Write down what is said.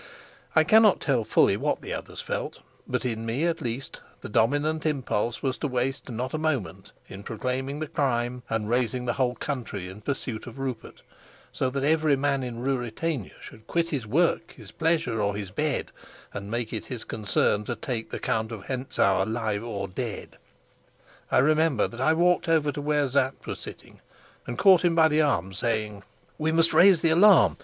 I cannot tell fully what the others felt, but in me at least the dominant impulse was to waste not a moment in proclaiming the crime and raising the whole country in pursuit of Rupert, so that every man in Ruritania should quit his work, his pleasure, or his bed, and make it his concern to take the Count of Hentzau, alive or dead. I remember that I walked over to where Sapt was sitting, and caught him by the arm, saying: "We must raise the alarm.